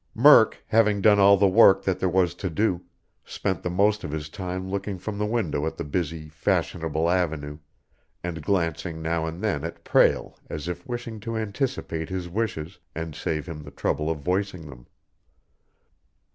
Murk, having done all the work that there was to do, spent the most of his time looking from the window at the busy, fashionable avenue, and glancing now and then at Prale as if wishing to anticipate his wishes and save him the trouble of voicing them.